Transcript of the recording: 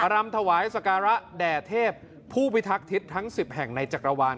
รำถวายสการะแด่เทพผู้พิทักษ์ทิศทั้ง๑๐แห่งในจักรวาล